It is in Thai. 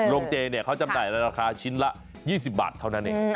โรงเจเขาจำหน่ายในราคาชิ้นละ๒๐บาทเท่านั้นเอง